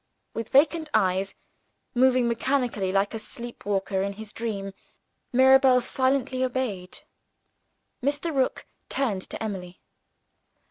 With vacant eyes moving mechanically, like a sleep walker in his dream Mirabel silently obeyed. Mr. Rook turned to Emily.